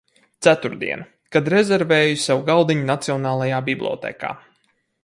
Ceturtdiena, kad rezervēju sev galdiņu nacionālajā bibliotēkā.